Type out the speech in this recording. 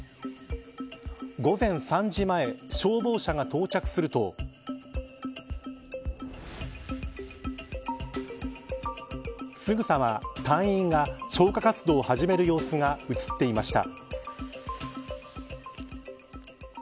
午前３時前、消防車が到着するとすぐさま隊員が消火活動を始める様子が映っていました。